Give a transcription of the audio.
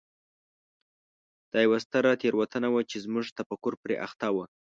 دا یوه ستره تېروتنه وه چې زموږ تفکر پرې اخته و.